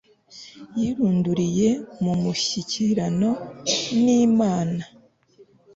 Yirunduriye mu mushyikirano nImana